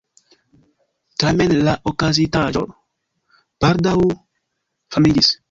Tamen la okazintaĵo baldaŭ famiĝis.